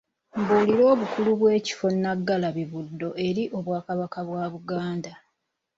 Mbuulira obukulu bw'ekifo Nnaggalabi-Buddo eri Obwakabaka bwa Buganda.